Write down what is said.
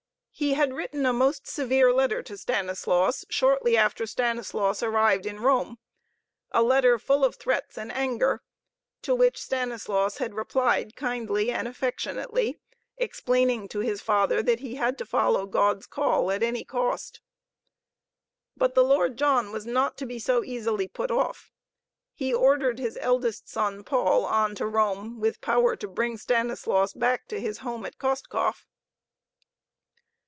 He had written a most severe letter to Stanislaus shortly after Stanislaus arrived in Rome: a letter full of threats and anger, to which Stanislaus had replied kindly and affectionately, explaining to his father that he had to follow God's call at any cost But the Lord John was not to be so easily put off. He ordered his eldest son, Paul, on to Rome, with power to bring back Stanislaus to his home at Kostkov.